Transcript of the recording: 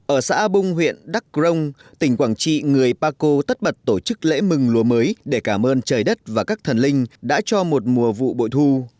ở xã bung huyện đắc crong tỉnh quảng trị người paco tất bật tổ chức lễ mừng lúa mới để cảm ơn trời đất và các thần linh đã cho một mùa vụ bội thu